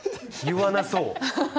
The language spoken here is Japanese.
言わなそう！